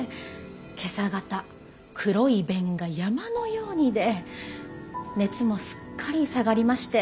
今朝方黒い便が山のように出熱もすっかり下がりまして。